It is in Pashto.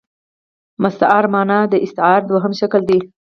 مستعارمنه د ا ستعارې دوهم شکل دﺉ.